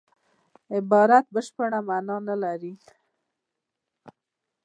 عبارت بشپړه مانا نه لري.